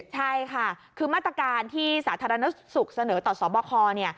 ใช่ค่ะคือมาตรการที่ศาสตร์ธรรณสุขเสนอต่อสอบค